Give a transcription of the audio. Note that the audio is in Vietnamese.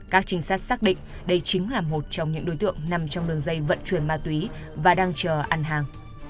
các trinh sát xác định đây chính là một trong những đối tượng nằm trong đường dây vận chuyển ma túy và đang chờ ăn hàng